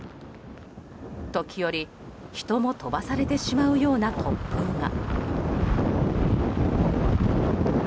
時折、人も飛ばされてしまうような突風が。